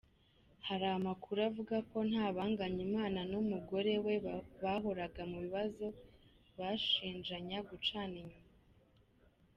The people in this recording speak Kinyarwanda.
Hari amakuru avuga ko Ntabanganyimana n’umugore we bahoraga mu bibazo bashinjanya gucana inyuma.